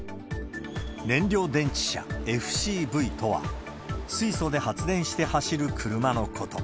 燃料電池車・ＦＣＶとは、水素で発電して走る車のこと。